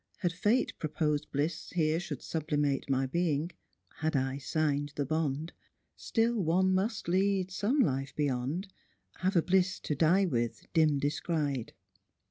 Had fate Proposed bliss here should sublimate My being — had I sign'd the bond — Still one must lead some life beyond, Have a bliss to die with, dim descried."